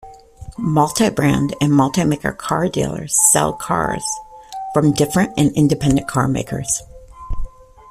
Multibrand and multimaker car dealers sell cars from different and independent carmakers.